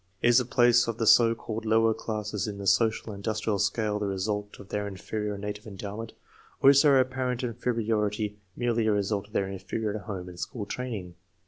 Is the place of the so called lower classes in the social and industrial scale the result of their inferior native endowment, or is their apparent inferiority merely a result of their inferior home and school training?